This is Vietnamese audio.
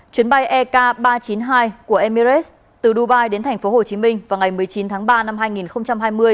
chuyến bay ek ba trăm chín mươi hai của emirates từ dubai đến tp hcm vào ngày một mươi chín tháng ba năm hai nghìn hai mươi